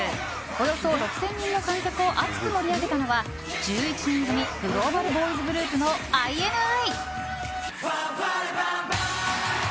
およそ６０００人の観客を熱く盛り上げたのは１１人組グローバルボーイズグループのＩＮＩ。